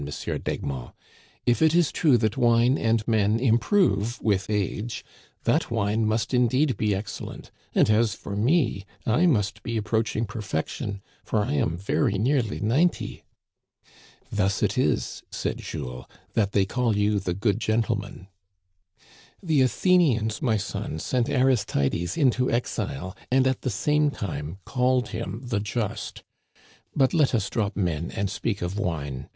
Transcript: d'Egmont. " If it is true that wine and men im prove with age, that wine must indeed be excellent ; and as for me, I must be approaching perfection, for I am very nearly ninety." " Thus it is," said Jules, " that they call you * the good gentleman.' "The Athenians, my son, sent Aristides into exile, and at the same time called him the Just. But let us drop men and speak of wine.